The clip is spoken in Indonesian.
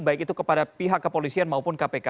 baik itu kepada pihak kepolisian maupun kpk